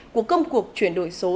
của công cuộc chuyển đổi số